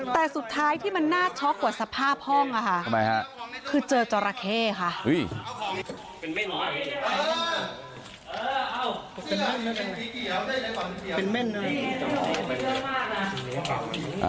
แต่สุดท้ายที่มันน่าช็อกกว่าสภาพห้องนะคะคือเจอจราเข้ค่ะ